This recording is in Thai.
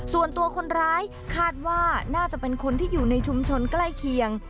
ส่วนตัวคนร้ายคาดว่าน่าจะเป็นคนที่อยู่ในชุมชนใกล้เคียง